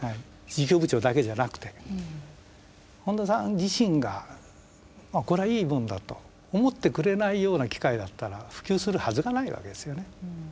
事業部長だけじゃなくてね本多さん自身が「まあこれはいいものだ」と思ってくれないような機械だったら普及するはずがないわけですよね。